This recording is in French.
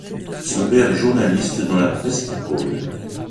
Son père est journaliste dans la presse people.